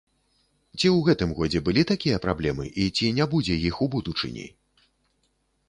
Ці ў гэтым годзе былі такія праблемы і ці не будзе іх у будучыні?